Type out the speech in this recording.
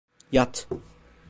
Yat!